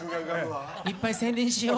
いっぱい宣伝しよう。